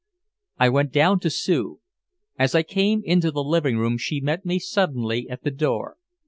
I went down to Sue. As I came into the living room she met me suddenly at the door.